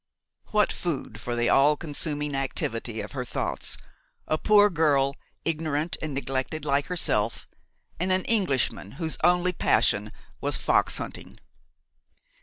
What food for the all consuming activity of her thoughts–a poor girl, ignorant and neglected like herself, and an Englishman whose only passion was fox hunting!